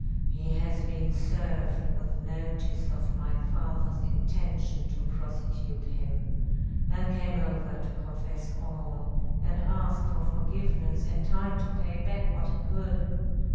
He has been served with notice of my father's intention to prosecute him; and came over to confess all, and ask for forgiveness, and time to pay back what he could.